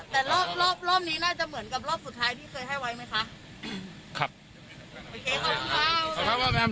แต่รอบรอบนี้น่าจะเหมือนกับรอบสุดท้ายที่เคยให้ไว้ไหมคะ